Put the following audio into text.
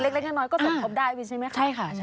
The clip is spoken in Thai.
เล็กร้อยน้อยก็สมควรได้ใช่ไหมคะ